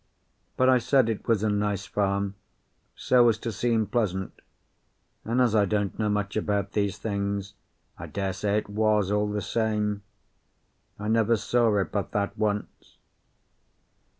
But I said it was a nice farm, so as to seem pleasant, and as I don't know much about these things, I daresay it was, all the same. I never saw it but that once.